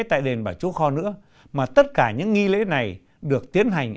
tại đền bà chúa kho nữa mà tất cả những nghi lễ này được tiến hành